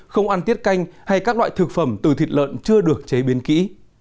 không ăn tiết canh hay các loại thực phẩm từ thịt lợn chưa được chế biến kỹ